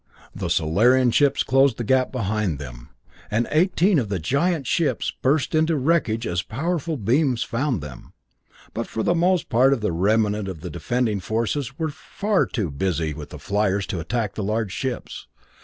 The Solarian ships closed the gap behind them, and eighteen of the giant ships burst into wreckage as powerful beams found them, but for the most part the remnant of the defending forces were far too busy with the fliers to attack the large ships.